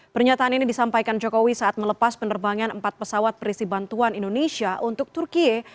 pernyataan ini disampaikan jokowi saat melepas penerbangan empat pesawat perisi bantuan indonesia untuk turkiye